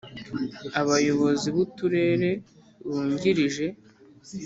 abayobozi bu turere bungirije,